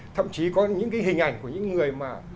thậm chí có những cái hình ảnh của những người mà